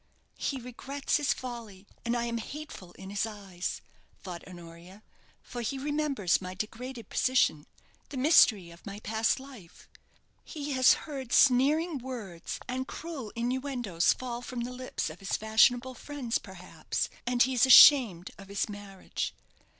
"He regrets his folly, and I am hateful in his eyes," thought Honoria, "for he remembers my degraded position the mystery of my past life. He has heard sneering words and cruel innuendoes fall from the lips of his fashionable friends, perhaps; and he is ashamed of his marriage.